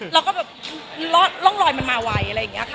แล้วก็แบบร่องรอยมันมาไวอะไรอย่างนี้ค่ะ